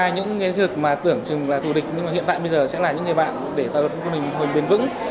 những thế lực mà tưởng chừng là thù địch nhưng mà hiện tại bây giờ sẽ là những người bạn để tạo được một hình bền vững